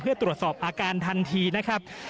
เพื่อตรวจสอบอาการทันทีนะครับ